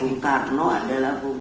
bung karno adalah punggung